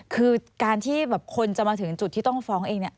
คือการที่แบบคนจะมาถึงจุดที่ต้องฟ้องเองเนี่ย